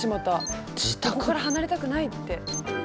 ここから離れたくないって。